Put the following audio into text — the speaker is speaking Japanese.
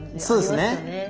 そうですね。